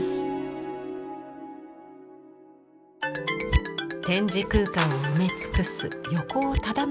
展示空間を埋め尽くす横尾忠則の作品。